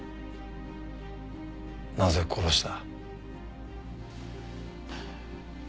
なぜ殺した？